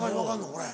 これ。